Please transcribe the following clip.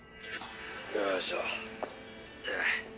「よいしょ」